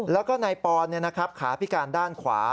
แล้วก็นายปอนขาพิการด้านขวา